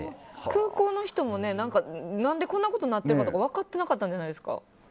空港の人も何でこんなことになってるか分かってなかったんじゃないですか？